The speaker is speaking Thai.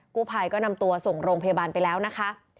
กู้ภัยก็นำตัวส่งโรงพยาบาลไปแล้วนะคะ